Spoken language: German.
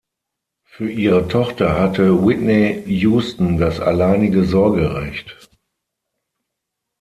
Für ihre Tochter hatte Whitney Houston das alleinige Sorgerecht.